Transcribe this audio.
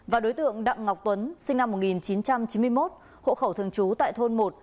và đối tượng đặng ngọc tuấn sinh năm một nghìn chín trăm chín mươi một hộ khẩu thường trú tại thôn một